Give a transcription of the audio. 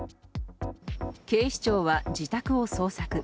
警視庁は自宅を捜索。